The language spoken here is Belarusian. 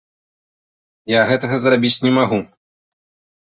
Я гэтага зрабіць не магу.